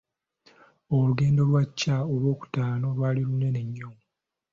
Olugendo lwa Chwa olw'okutaano lwali lunene nnyo.